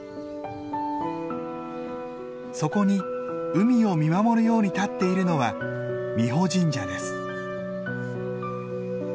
そこに海を見守るように立っているのは美保神社です。